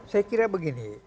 saya kira begini